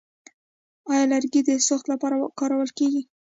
آیا لرګي د سوخت لپاره کارول کیږي؟